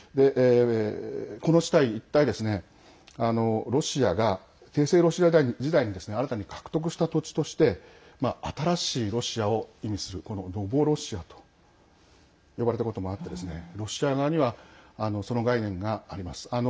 この地帯一帯ロシアが帝政ロシア時代に新たに獲得した土地として新しいロシアを意味するノボロシアと呼ばれたこともあってロシア側にはその概念があります。